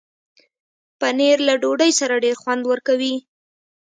پنېر له ډوډۍ سره ډېر خوند ورکوي.